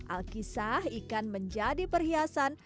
alkisah ikan menjadi perhiasan